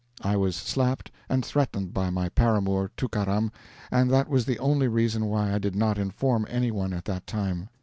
I was slapped and threatened by my paramour, Tookaram, and that was the only reason why I did not inform any one at that time.